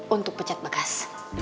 untuk pecat bagas